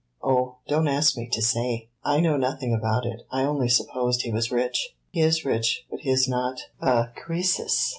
"Oh, don't ask me to say! I know nothing about it; I only supposed he was rich." "He is rich; but he is not a Croesus."